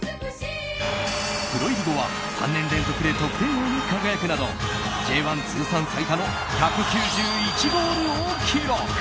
プロ入り後は３年連続で得点王に輝くなどＪ１通算最多の１９１ゴールを記録。